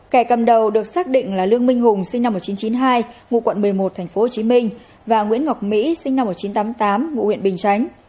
kẻ cầm đầu được xác định là lương minh hùng sinh năm một nghìn chín trăm chín mươi hai ngụ quận một mươi một tp hcm và nguyễn ngọc mỹ sinh năm một nghìn chín trăm tám mươi tám ngụ huyện bình chánh